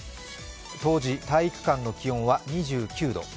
当時、体育館の気温は２９度。